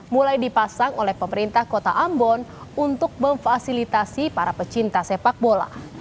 mulai dipasang oleh pemerintah kota ambon untuk memfasilitasi para pecinta sepak bola